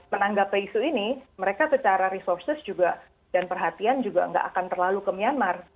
menanggapi isu ini mereka secara resources juga dan perhatian juga nggak akan terlalu ke myanmar